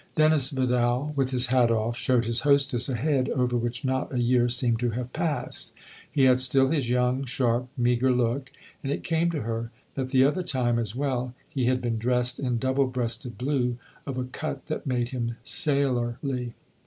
Dennis Vidal, with his hat off, showed his hostess a head over which not a year seemed to have passed. He had still his young, sharp, meagre look, and it came to her that the other time as well he had been dressed in double breasted blue of a cut that made him sailorly.